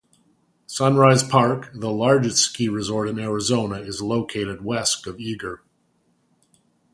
Sunrise Park, the largest ski resort in Arizona, is located west of Eagar.